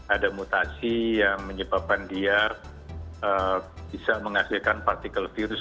ada mutasi yang menyebabkan dia bisa menghasilkan partikel virus